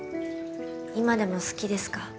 今でも好きですか？